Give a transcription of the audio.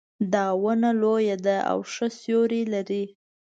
دا ونه لویه ده او ښه سیوري لري